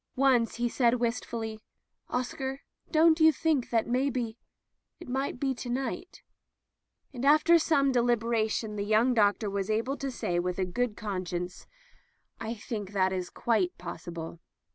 Once he said wistfully: "Oscar, don't you think that maybe — ^it might be to night ?*' And after some deliberation the young doctor was able to say with a good con science: "I think it is quite possible."